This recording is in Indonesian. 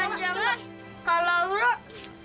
jangan jangan kalau laura